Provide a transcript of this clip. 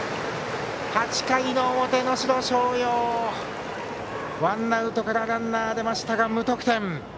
８回の表、能代松陽ワンアウトからランナー出ましたが無得点。